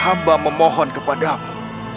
hamba memohon kepadamu